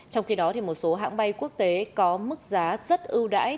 trong khi đó một số hãng bay quốc tế có mức giá rất ưu đãi